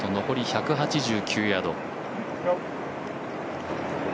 残り１８９ヤード。